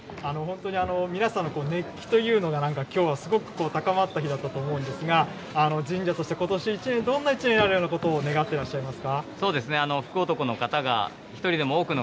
本当に皆さんの熱気という、なんかきょうはすごく高まった日だと思うんですが、神社としてことし一年、どんな一年になるようなことを願ってらっしゃいますか。